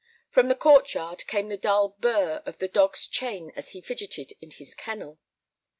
From the court yard came the dull "burr" of the dog's chain as he fidgeted in his kennel.